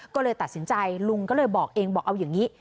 ก็เลยตัดสินใจลุงก็เลยบอกเองบอกเอาอย่างนี้